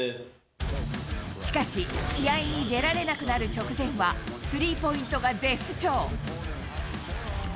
しかし、試合に出られなくなる直前はスリーポイントが絶不調。